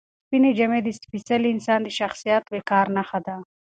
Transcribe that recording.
سپینې جامې د سپېڅلي انسان د شخصیت او وقار نښه ده.